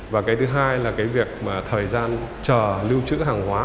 và cái thứ hai là việc thời gian chờ lưu trữ hàng hóa